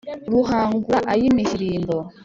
ruhangura ay' imihirimbo